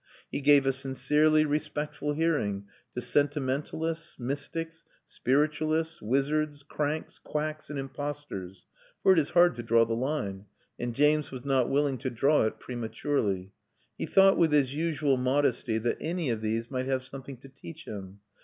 He gave a sincerely respectful hearing to sentimentalists, mystics, spiritualists, wizards, cranks, quacks, and impostors for it is hard to draw the line, and James was not willing to draw it prematurely. He thought, with his usual modesty, that any of these might have something to teach him.